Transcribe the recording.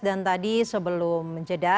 dan tadi sebelum jeda